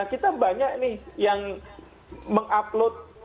kita banyak nih yang mengupload